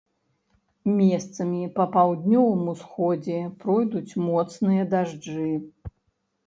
Месцамі па паўднёвым усходзе пройдуць моцныя дажджы.